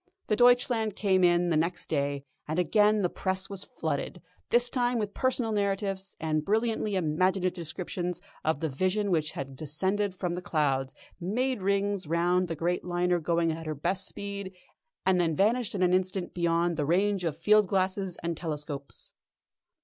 The Deutschland came in the next day, and again the press was flooded, this time with personal narratives, and brilliantly imaginative descriptions of the Vision which had descended from the clouds, made rings round the great liner going at her best speed, and then vanished in an instant beyond the range of field glasses and telescopes.